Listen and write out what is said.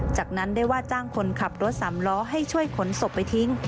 จากนั้นได้ว่าจ้างคนขับรถสามล้อให้ช่วยขนศพไปทิ้ง